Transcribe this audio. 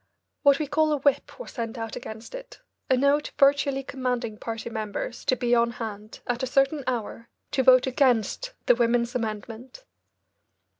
What we call a whip was sent out against it, a note virtually commanding party members to be on hand at a certain hour to vote against the women's amendment.